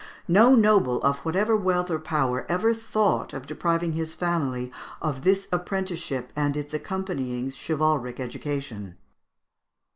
No noble, of whatever wealth or power, ever thought of depriving his family of this apprenticeship and its accompanying chivalric education.